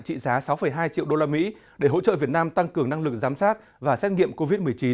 trị giá sáu hai triệu usd để hỗ trợ việt nam tăng cường năng lực giám sát và xét nghiệm covid một mươi chín